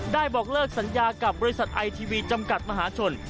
บอกเลิกสัญญากับบริษัทไอทีวีจำกัดมหาชน